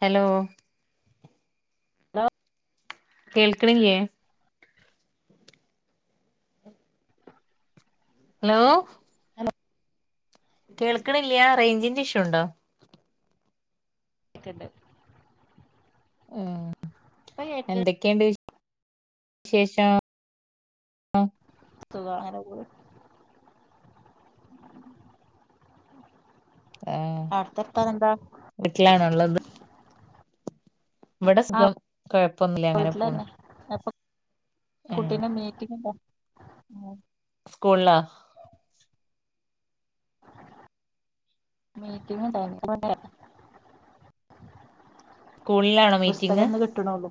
Hello, ആ കേൾക്ക്നില്ലേ? Hello, [unintelligible] കേൾക്ക്നില്ലാ, റേഞ്ചിന്റെ ഇഷുണ്ടോ? [unintelligible] ആ, ഇപ്പ കേക്ക്ണ്ട് എന്തൊക്കെണ്ട്? [unintelligible] സുഖ, അങ്ങനെ പോണ്. ആ, അവിടുത്തെ വർത്താനം എന്താ വീട്ടിലാണ്ള്ളത്? ഇവടെ ആഹ് സുഖം, കൊഴപ്പൊന്നുല്ലാ അങ്ങനെ പോണ്. ഉം കുട്ടിന, മീറ്റിങ്ണ്ട? [unintelligible] മീറ്റിങ്, ണ്ടായി [unintelligible] സ്കൂളിലാണോ മീറ്റിംഗ് ബുസ്തകംന്ന് കിട്ടുനൊള്ളു.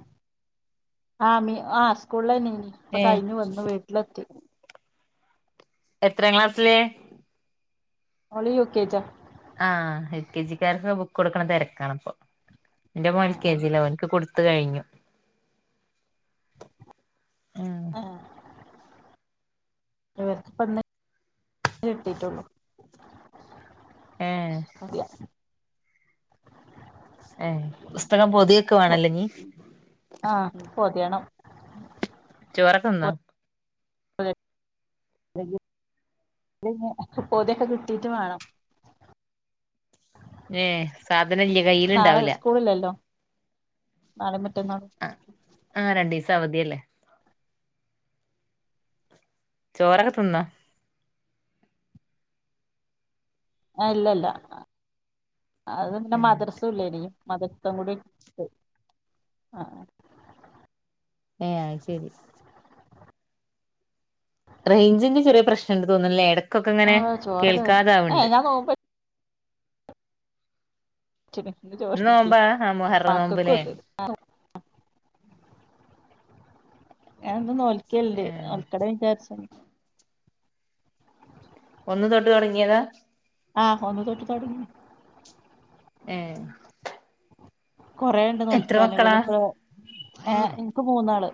ആ മീ ആ സ്കൂളിലന്നിനീ, ഏ പ്പൊ കഴിഞ്ഞു വന്നു വീട്ടിലെത്തി. എത്രാം ക്ലാസ്സില്? ഓള് യൂക്കെജാ. ആ, എൽ. കെ ജിക്കാർക്കെക്കെ ബുകൊടുക്ക്ണ തിരക്കാണ്പ്പൊ. ന്റെ മോൻ എൽ. ആഹ് കേ ആഹ് ജിലാ, ഓൻക്ക് കൊടുത്ത് കഴിഞ്ഞു. ഉം ആ. ഇവർക്ക്പ്പന്ന്, കിട്ടീട്ടൊള്ളു. ഏ അതി. ഏ, പുസ്തകം പൊതിയൊക്കെ, വാണല്ലോ നീ? ആഹ് പൊതിയണം ചോറക്കെന്നോ? [unintelligible] [unintelligible] പൊതിയൊക്കെ, കിട്ടീട്ട് വേണം. ഏ, സാധനല്ലിയ, നാളെ കയ്യില്ണ്ടാവൂല. സ്കൂളില്ലല്ലോ നാളേം മറ്റന്നാളും ആ, ആ രണ്ടീസം, അവധിയല്ലേ. ചോറൊക്കെ ത്ത്ന്നൊ? ഇല്ലല്ല, അത് പിന്നെ ഉം മദ്രസുല്ലേനി. മതസ്വം കൂടിം ത് ആ ഹേ, അയ്ശേരി. റേഞ്ചിന്റെ, ചെറിയെ പ്രശ്നണ്ട് തോന്നുനുല്ലേയ്? എട കൊക്കെങ്ങനെ, ആഹ് ചോറ് തിന്ന് കേൾക്കാതാവ്ണ്ട്. ഏഹ് ഞാൻ നോമ്പെട്ച്ച്ണ് ഇന്ന് നോമ്പാ ആ മുഹറം നോമ്പ്ല്ലേ [unintelligible] ഞാന്നും, നോൽക്കല്ണ്ട്, ഏ നോൽക്കണം, വിചാരിചാണ്. ഒന്ന്, തൊട്ട് തോടങ്ങിയെതാ? ആ, ഒന്ന് തൊട്ട് തൊടങ്ങി. ഏ. കൊറെേണ്ട്, എത്ര നോൽക്കാന്, മക്കളാ ഇവിളിപ്പോ, ഏ, ഇൻക്ക് മൂന്നാള്.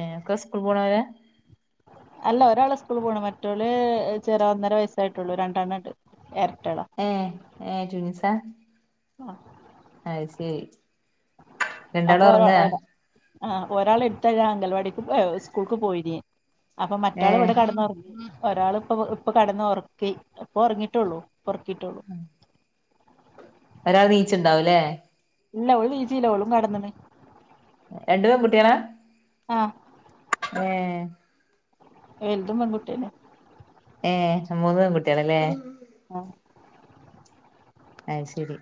ഏക്കൊ സ്കൂൾപോണോരാ അല്ല ഒരാള് സ്കൂള്പോണം മറ്റോള് ചെറ ഒന്നര വയസ്സായിട്ടുള്ളു രണ്ടെണ്ണംണ്ട് എര ഏ ഏ ട്വിൻസാ ആഹ് അയ്ശെരി രണ്ടാളും അപ്പൊ ഒരാ ഒറങ്ങാ ഒരാ ആഹ് ഒരാളിപ്പഴാ അംഗൽവാടിക്ക് സ്കൂൾക്ക് പോയിനി അപ്പൊ ഏ മറ്റാളിവിടെ കെടന്നൊറങ്ങി. ഒരാള് ഇപ്പൊ ഇപ്പൊ കടന്ന് ഒറക്കി ഇപ്പൊ ഉറങ്ങീട്ടുള്ളൂ ഒറക്കീട്ടേള്ളൂ ഒരാള് നീച്ചുണ്ടാവുംല്ലേ ഇല്ലവള്ലീച്ചീല അവളും കെടന്നെന്ന് രണ്ട് പെങ്കുട്ടികളാ ആഹ് ഏ എൽതും പെങ്കുട്ടിന്യേ ഏ മൂന്ന് പെങ്കുട്ടികളല്ലേ ആഹ് അത് ശെരി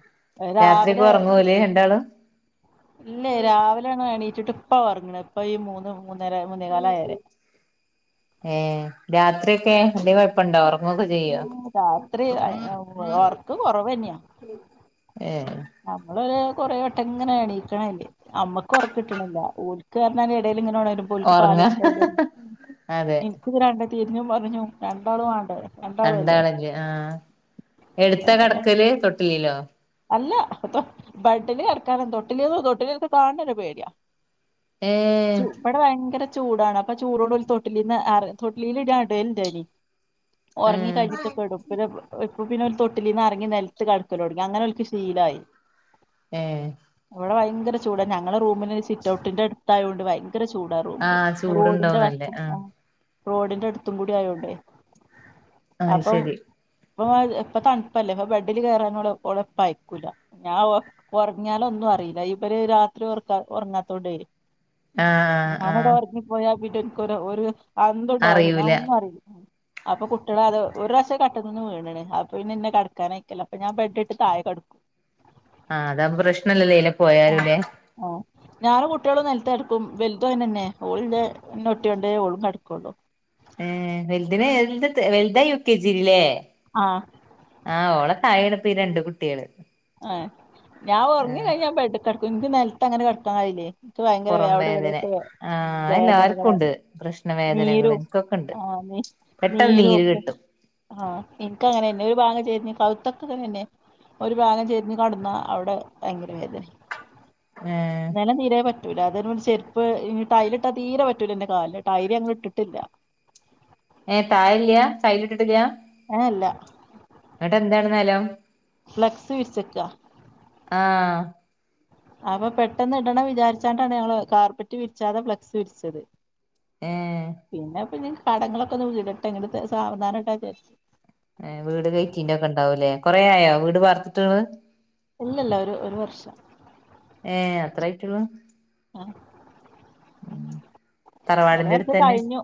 രാത്രീക്കെ രാവിലെ ഒറങ്ങോ ഓല് രണ്ടാളും? ഇല്ലേ രാവിലാണ് എണീറ്റിട്ട് ഇപ്പ ഒറങ്ങണ് ഇപ്പ ഈ മൂന്ന് മൂന്നര മൂന്നേകാലായാരെ ഏ രാത്രീക്കെ വല്ല്യകൊഴപ്പോണ്ടോ ഒറ ഊം രാത്രി അയ് [unintelligible] ഉവ്വ് ഒർക്ക് കൊറവന്യാ. ഏഹ് നമ്മളൊര് കൊറേവട്ടം ഇങ്ങനെ എണീക്കണല്ലേ അമ്മക്ക് ഒറക്കിട്ടണില്ല ഓൾക്ക്അർഞ്ഞാല് എടേല് ഒറങ്ങ ലിങ്ങിനൊണരുമ്പോൽക്ക്പാലൊടുക്കാ വൂലേ അതെ ഇൻക്കിങ്ങനെ [unintelligible] ഞ്ഞുപറഞ്ഞും രണ്ടാളുവാണ്ടേ? രണ്ടാളല്ലേ ആഹ് എവ്ടുത്താ ഭയങ്കര കെടക്കല് തൊട്ടിലിലോ അല്ല ഇപ്പ ബഡ്ഡില് കെടക്കാന് തൊട്ടിലു് തൊട്ടിലൊക്കെ കാൺണനേ പേടിയാ ഏഹ് ചൂപ്പടെ ഭയങ്കര ചൂടാണ് അപ്പൊ ചൂടോണ്ട് ഒരു തൊട്ടിലിന്ന് ആട് തൊട്ലീലിടാടല്ണ്ടായ്നി ഒറങ്ങി ഏഹ് കഴിഞ്ഞിട്ടൊക്കെ ഇടും പിന്നെ ഇപ്പ പിന്നെ ഒരു തൊട്ടിൽന്നെറങ്ങി നെൽത്ത് കെടക്കലോടങ്ങി അങ്ങനെ ശീലായി ഊം ഇവടെ ഭയങ്കര ചൂടാ ഞങ്ങള റൂമിന് സിറ്റൗട്ടിന്റെ അടുത്തായോണ്ട് ഭയ് ങ്കര ചൂടാ റൂമില് ആഹ് ചൂടുണ്ടാവും റോഡിന്റെ നല്ലെ വക്കും ആഹ് ആ റോഡിന്റെ അടുത്തും കൂടി ആയോണ്ടേ ആയ്ശെരി ഇപ്പൊമതി ഇപ്പൊ തണുപ്പല്ലേ ഇപ്പൊ ബെഡ്ഡില് കേറാനോള്പ്പോളെ പയ്ക്കൂല ഞാൻ ഒ ഒറങ്യാലൊന്നും അറിയില്ല ഇവര് രാത്രി ഒറക്കാ ഒറങ്ങാത്തോണ്ടെ ആഹ് ഞാനോടെ ആഹ് ഒറങ്ങിപ്പോയാപ്പിന്നെ എക്കൊര് ഒര് ആന്തുട്ടാവല് അറിയൂല ഞാഒന്നും അറിയില്ല അപ്പൊ കുട്ടികളാത് ഒരുറാശം കട്ട്നിന്ന് വീണ് ണ് അപ്പൊന്നെ ഇന്നെ കടക്കാനായ്റ്റെല്ലാം അപ്പൊ ഞാൻ ബെഡ്ഡെടു താഴെ കടുക്കും ആഹ് അതാവകുമ്പോ പ്രശ്നല്ലല്ലോ എയിലെ പോയാലുംല്ലെ ആ ഞാനും കുട്ടികളും നെലത്തെടക്കും വെൽതുഅത്നെന്നെ ഓൾന്നെ ന്നെഒട്ടിട്ടിയാണ്ടേ ഓളും കെടക്കുള്ളു ഏ വെൽതിനെ എൽദ്ത് വെൽതാ യൂകേജീല് ലേ ആ ആഹ് ഓളെ തായെണിപ്പീ രണ്ട് കുട്ടികള് ആഹ് ഞാഒറങ്ങി കഴിഞ്ഞാ ബെഡ്ഡീ കെടക്കും ൻക്ക് നെൽത്ത് അങ്ങനെ കെടക്കാൻ കയ്ലേ പൊറം വേദനെ ആഹ് അത് എല്ലാർക്കുണ്ട് വേദനകളാണ് പ്രശ്നം വേദനകള് നീരും ഇൻക്കൊക്കെണ്ട് ആ നീ നീരും പെട്ടെന്നീര് ഒക്കെ കെട്ടും ആഹ് ഇൻക്കങ്ങനെരുന്ന് ഒരു ഭാഗം ചെരിഞ്ഞി കവുത്തക്കെങ്ങനെതന്നെ ഒരു ഭാഗം ചെരിഞ് കെടന്നാ അവിടെ ഭയങ്കര വേദന ഏഹ് ഇന്നലെതീരെ പ റ്റൂല അതിന് വേൺചെര്പ്പേ ഇനി ടൈലിട്ടാ തീരെ പറ്റൂല എന്റെ കാൽല് ടൈര് ഞങ്ങ ഇട്ടിട്ടില്ല ഏ താഴേല്ല്യാ ടൈലിട്ടിട്ടില്ല്യാ ഏ, അല്ല. എന്ന്ട്ട്ന്തേ അവടെ, [unintelligible] ഫ്ലക്സ്, വിര്ച്ച്ക്ക്അ. [inaudible] അപ്പ പെട്ടെന്ന് ഇടണം വിചാര്ച്ചാണ്ടാണ് ഞങ്ങള് കാർപ്പറ്റ് വിര്ച്ചാതെ ഫ്ലെക്സ് വിര്ച്ചത് ഏഹ് പിന്നെപ്പൊഞ്ഞി കടങ്ങളൊക്കൊന്ന് വീടട്ടെ ന്നട്ട്ത് സാവധാനടാചാര്ച്ച് ഏ വീട് കയറ്റീന്റെ ഒക്കെണ്ടാവുംലേ കൊറേ ആയോ വീട് വാർത്ത്ട്ട്ങ്ങള് ഇല്ലല്ല ഒരു ഒരു വർഷം ഏ അത്രായിറ്റൊള്ളൂ ആഹ് അത് കൊറ്ച്ച് കഴിഞ്ഞു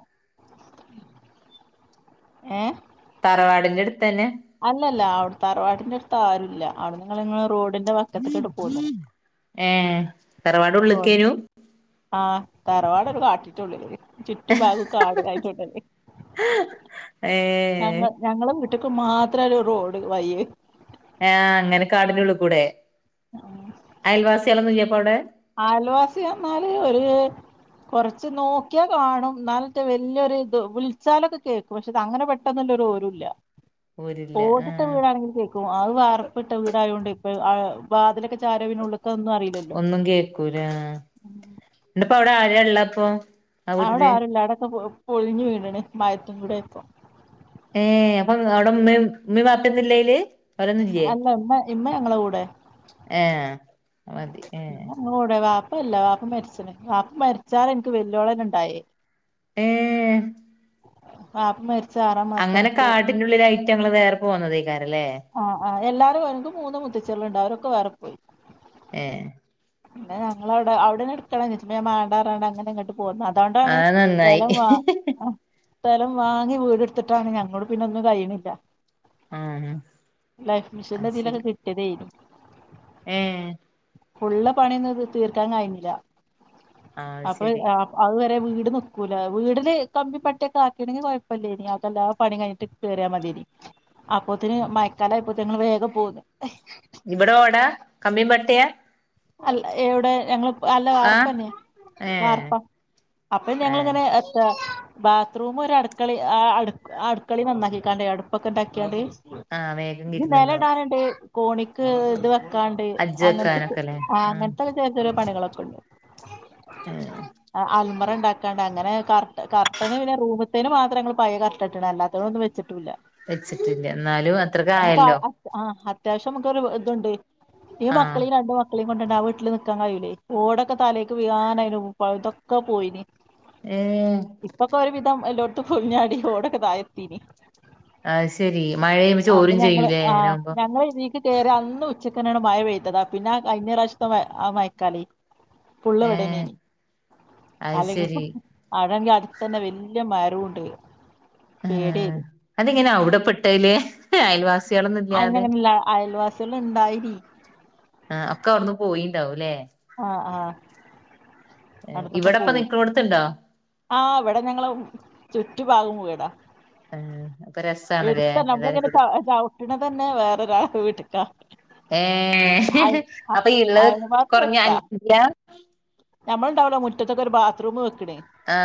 ഏ തറവാടിന്റെ എട്ത്തെന്നെ? അല്ലല്ല അവ്ടെ തറവാടിന്റെട്ത്താരുല്ല അവുട്ന്ന് [unintelligible] റോഡ് ഏ തറവാട് ഉള്ള്ക്കേയ്നു? ആ തറവാടൊരു കാട്ട്ൻ്റുള്ലേയ് ചുറ്റുഭാഗും കാട് [unintelligible] ഏ ഒറ്റക്ക് മാത്രായിയൊരു റോഡ് വയ്യ് ആ അങ്ങനെ കാട്ൻ്റുള്ളുക്കൂടെ? അയൽവാസ്യാളൊന്നൂല്ല്യെപ്പവടെ അയൽവാസിയറ്ഞ്ഞാല് ഒര് കൊറച്ച് നോക്കിയാ കാണും ന്നാലെറ്റെ വല്യൊര് ത് വിൾച്ചാലൊക്കെ കേക്കും പക്ഷെതങ്ങനെ പെട്ടെന്ന് ഒര് വിവരൂല്ല്യാ ഓരില്ല ഓടിട്ട ആഹ് വീടാണെങ്കി കേക്കും അത് വാർപ്പ്ട്ട വീടായോണ്ട് പ്പൊ ആ വാതിലൊക്കെ ചാര്യാ പിന്നെ ഉള്ളത്തൊന്നും അറീലല്ലോ ഒന്നും കേക്കൂലാ ന്ന്ട്ട്പ്പൊ അവ്ടെ ആരാ ള്ളഅപ്പോ അവടെ ആരുല്ലാ അവടൊക്കെ പ്പൊ പൊള്ഞ്ഞ് വീണണ് മയത്തും കൂടെ ആയപ്പൊ ങ്ങളെ മ്മേ, മ്മിം വാപ്പിം ഒന്നൂല്ലയില്? അല്ല ഇമ്മ ഇമ്മ ഞങ്ങളെ കൂടെ ഏ മ്മ ഞങ്ങളെ കൂടെ വാപ്പല്ല വാപ്പ മരിച്ച്ണ് വാപ്പ മരിച്ചാരെ ഇന്ക്ക് വല്ല്യോളെന്നെണ്ടായേ ഏ വാപ്പ മര് അങ്ങനെ കാട്ട്ന്റുള്ള്ലായ്റ്റ ങ്ങൾ വേറെ പോന്നതേയ്കാ ആ ആ എല്ലാരും ഇൻക്ക് മൂന്ന് മുത്തച്ച്യാള്ണ്ട് അവരൊക്കെ വേറെ പോയി ഏ പിന്നെ ഞങ്ങളവ്ടെ അവിടെന്നെ ഇട്ക്കണംചാര്ച്ച് പിന്നെ ഞാൻ മാണ്ടാർഞ്ഞ്ങ്ങാണ്ട് അങ്ങനെങ്ങട്ട് പോന്ന് അതോണ്ടാണ് അത് നന്നായി സ്ഥലം വാ സ്ഥലം വാങ്ങി വീടെട്ത്തിട്ടാണ് [unintelligible] പിന്നെ ഒന്നും കയ്യ്ണില്ല ആ ലൈഫ്മിഷന്റെതീലൊക്കെ കിട്ട്യെതേയ്ന്നു ഏ ഫുള്ള് പണ്യൊന്നുംത് തീർക്കാൻ കഴിഞ്ഞില്ല അത് അപ്പൊ ശരി അത് വരെ വീട് നിക്കൂല വീടില് കമ്പിം പട്ട്യൊക്കെ ആക്കീണെങ്കി കൊഴപ്പല്ല്യേയ്നി അപ്പെല്ലാ പണിം കയിഞ്ഞ്ട്ട് കേറ്യാ മത്യേയ്നി അപ്പോത്ത്ന് മയക്കാലായപ്പോത്ത്ന് ഞങ്ങള് വേഗം പോന്ന് ഇവടെ ഓടാ കമ്പിം പട്ട്യാ അല്ല എവിടെ ഞങ്ങള് അല്ല ആഹ് വാർപ്പന്നേ ഏഹ് വാർപ്പ അപ്പൊ ഏഹ് ഞങ്ങള്ങ്ങനെ എത്ത ബാത്റൂമും ഒരു അടുക്കളിം അടുക്കളിം നന്നാക്കിക്കാണ്ടേയ് അട്പ്പൊക്കെണ്ടാക്ക്യാണ്ട് ആഹ് വേഗം ഇഞ്ഞി കിട്ടുന്നുണ്ടാവും നെലടാന്ണ്ട് കോണിക്ക് ഇത് വെക്കാണ്ട് ഹജ്ജ് അങ്ങൻത്തെ വെക്കാനൊക്കെല്ലേ ആഹ് അങ്ങൻത്തൊക്കെ ചെറ്യെ പണികളൊക്കെണ്ട് ഏ.... അണ്ടാക്കാണ്ട് അങ്ങനെ കർ കർട്ടന് റൂമ്തേന് മാത്രേ മ്മള് പയേ... കർട്ടട്ട്ണ് അല്ലാതെനൊന്നും വെച്ച് ട്ടൂല്ലാ.... വെച്ചിട്ടില്ല എന്നാലും അത്രക്ക നമ്ക്കാ ആയല്ലോ അത്യാവശ്യംമക്കോല്തൂണ്ട് ആഹ് ഓളീംകൊണ്ടെടാ ആ വീട്ടില് നിക്കാൻ കയ്യൂലെ ഓടൊക്കെ തലേക്ക് വീഴാനായിന് ഇപ്പ ഇതൊക്കെ പോയിന് ഏഹ് ഇപ്പൊക്കൊരു വിധം എല്ലോട്തും കൊയ്ഞാടി ഓടൊക്കെ താഴെത്തീന് അത് ശെരി മഴയുമ്പോ അപ്പൊ ചോരും ഞങ്ങള് ചെയ്യൂലേ ആ അങ്ങനാവുമ്പോ ഞങ്ങള് ഇതി ക്ക്‌കേറിയ അന്ന് ഉച്ചക്കന്നാണ് മഴ പെയ്തതാ പിന്നാ ആ കഴിഞ്ഞറാവശ്യത്തെ മ ആ മഴക്കാലെ ഏഹ് പുള്ളവ്ടെന്നെനീ അത് അല്ലെങ്കിപ്പോ ശരി അവ്ടാങ്കി അ ട്ത്തന്നെ വല്ല്യ മരോണ്ട്. ഏ അതിങ്ങനെ അവ്ടെ പെട്ടേലേ അയൽവാസി അയ്നങ്ങനല്ല അയൽവാസ്യേള് ഇണ്ടായിനി ആ ഒക്കെ അവ്ട്ന്ന് പോയിണ്ടാവും ലേ ആ ആ അട്ത്തൊക്കെ ഇവിടെപ്പ പോയി നിക്കണോടത്തുണ്ടോ ആ ഇവിടെ ഞങ്ങള് ചുറ്റുപാകോം വീടാ. ആഹ് അപ്പൊ രസാണല്ലേ എടുത്തന്നെ എല്ലാരും നമ്മളിങ്ങനെ കൂടി ചവ് ചവ്ട്ട്ണതന്നെ വേറെരാളെ വീട്ട്ക്കാ. ഏ അയ് അ- അപ്പൊ ഇള് അയിന് കൊറഞ്ഞ അഞ്ചാ? നമ്മളുണ്ടാവൂലെ മുറ്റത്തക്കൊരു ബാത്റൂമ് വെക്ക്ണ് ആ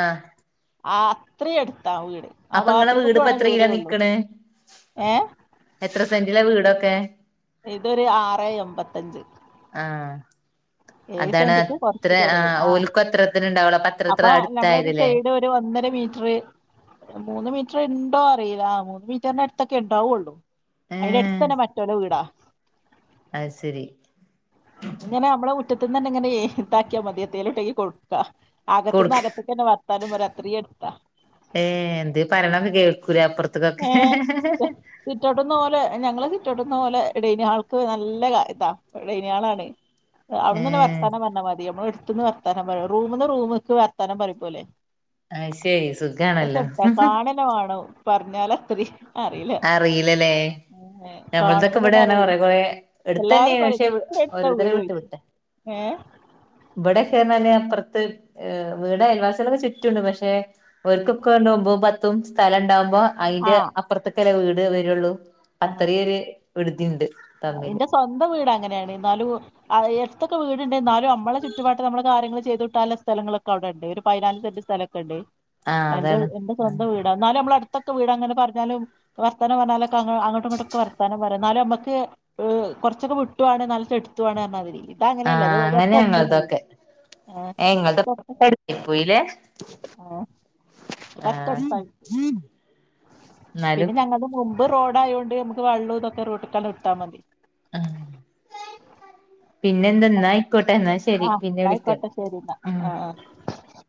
ആ അത്രേ അട്ത്താ ആ വീട് ആ ഇങ്ങളെ ബാത്രൂമ്ക്ക്‌ വീട് ഇപ്പ പോണെ എത്ര കിലോ ദൂരെയൊള്ളു. നിക്കണ് എത്ര സെന്റിലാ വീടൊക്കെ? ഇതൊരു ആറെഎമ്പത്തഞ്ച്. ആഹ് ഏയ് അതാണ് സെന്റിക്ക് അത്ര കുറച്ച് കുറവ് ആ ഓൽക്കും അത്രത്തിന് ഉണ്ടാവുള്ളൂ അപ്പൊ അത്രത്ര അപ്പൊഞമ്മളൊരു അടുത്തായതല്ലേ സൈഡ് ഒരു ഒന്നര മീറ്റ്റ് മൂന്ന് മീറ്റ്റ്ണ്ടോ അറിയില മൂന്ന് മീറ്ററിനടുത്തൊക്കെ ണ്ടാവൊള്ളു. ഏ അയ്ന്റട്തന്നെ മറ്റൊരെ വീടാ അത്ശരി ഇങ്ങനെമ്മളെ മുറ്റത് ന്നന്നെഇങ്ങനെയേ ഇതാക്കിയാമതി എന്തേലുണ്ടെങ്കിലേ കൊട്ക്കാ കൊടുക്ക അകത്ത്ന്ന്അകത്ത്ക്കന്നെ വർത്താനംപറയും അത്രേ അട്ത്താ ഏ എന്തേ പറയ്ണൊക്കെ കേൾക്കൂലേ അപ്രത്ക്കൊക്കെ ഏഹ് റ്റൊടുന്ന പോലെ ഡൈനി ഹാൾക്ക് നല്ല ഇതാ ഡൈനി ഹാളാണെ ഏ അവിടുന്നന്നെ വർത്താനം പറഞ്ഞാമതി മ്മളെട്ത്ത്ന്ന് വർത്താനം പറയാ.. റൂമ്ന്ന് റൂമ് ക്ക്‌ വർത്താനം പറയുംപോലെ അത് ശരി സുഖാണല്ലോ അത്രക്കട്ത്താ കാണെന്നെ വാണോം പറഞ്ഞാലത്രെ അറിയിലലേ ഏഹ് ഞമ്മള്തൊക്കെ കാണുമ്പോ തന്നെ ഇവിടെണോ അറിയുള്ളൂ കൊറെ കുറേ എല്ലാരും എട്ത്തെന്നെയാണ് പറയും പക്ഷെ ഇത്ര അടുത്താ ഒര് രെ വീട് വിട്ട് ചോയ്ച്ചും വിട്ടാ. ഏഹ് ഇവിടെക്കേന്നാല് കൊറത്ത് ഏ വീടഅയൽവാസ്യാളൊക്കെ ചുറ്റൂണ്ട്. പക്ഷെ ഓര്ക്കൊക്കെ ഇണ്ട് ഒമ്പതും പത്തും സ്ഥല ണ്ടാവുമ്പോ അയ്ന്റെ ആഹ് അപ്പറത്തേക്കല്ലെ വീട് വരൊള്ളൂ ആഹ് അത്രേംഒരു ഇന്റെ സ്വന്തം വീടങ്ങനാണ് എന്നാലും അയ്‌ എഡ്ത്തൊക്കെ വീട് ണ്ട് ന്നാലു അമ്മളെ ചുറ്റുവട്ടം നമ്മളെ കാര്യങ്ങള് ചെയ്തൂട്ടാനുള്ള സ്ഥലങ്ങളൊക്കെ അവിടെണ്ട് ഒരു പയ്നാല് സെന്റ് സ്ഥലൊക്കെണ്ട് ആഹ് എന്റെ അതാണ് എന്റെ ആഹ് സ്വന്തംവീടാ. എ ന്നാലലും അമ്മളട്ത്തൊക്കെ വീടങ്ങനെ പറഞ്ഞാലും വർതാനം പറഞ്ഞാലൊക് ക്കങ്ങട്ട്ങ്ങട്ടൊക്കെ വർത്താനം പറയും എന്നാലുമ്മക്ക് കൊറച്ചൊക്കെ വിട്ടു ആണ് എന്നാല്ട്ട് അടുത്തുയാണ് പറഞ്ഞ മാതിരില്ലേ ആ അങ്ങനെ ഞങ്ങളതൊക്കെ. ഏഹ് ഏ ഇത് തൊട്ട് ഇങ്ങളതൊക്കെ എട്ത്ത്ക്ക്‌ പോയിലേ ഏഹ് ഇത് ആ തൊട്ടടുത്തായി പിന്നെ ഞങ്ങളത് മുമ്പ് റോഡായൊണ്ട് മക്ക് വെള്ളോംതൊക്കെ റോട്ട്കണ്ട് വിട്ടാമതി ആഹ് പിന്നെന്താ എന്നാ ആയിക്കോട്ടെ എന്നാ ആ ശരി പിന്നെ വിളിക്കണ്ട് എന്നായ്ക്കോട്ടെ ശെരിന്നാ ഉം ആ ആ